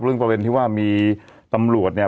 เรื่องเป็นที่ว่ามีตำรวจเนี่ย